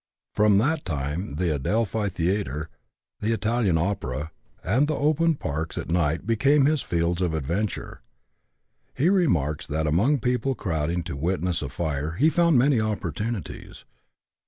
From that time the Adelphi Theater, the Italian Opera, and the open parks at night became his fields of adventure. He remarks that among people crowding to witness a fire he found many opportunities.